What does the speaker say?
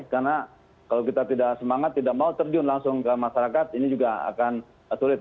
karena kalau kita tidak semangat tidak mau terjun langsung ke masyarakat ini juga akan sulit